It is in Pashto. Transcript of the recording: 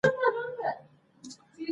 کیمیاګر د الهي عشق موندنې کیسه ده.